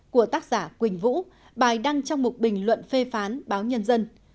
của tác giả quỳnh vũ bài đăng trong một bình luận phê phán báo nhân dân